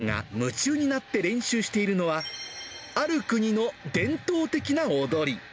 ５歳のれんくんが夢中になって練習しているのは、ある国の伝統的な踊り。